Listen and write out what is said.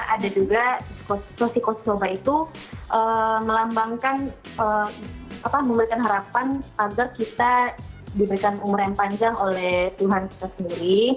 ada juga toshiko shisoba itu melambangkan memberikan harapan agar kita diberikan umuran panjang oleh tuhan kita sendiri